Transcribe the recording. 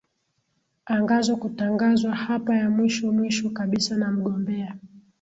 angazo kutangazwa hapa ya mwisho mwisho kabisa na mgombea